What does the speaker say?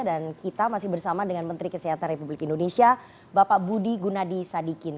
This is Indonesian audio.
dan kita masih bersama dengan menteri kesehatan republik indonesia bapak budi gunadi sadikin